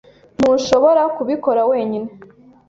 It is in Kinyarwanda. Ntushobora kubikora wenyine.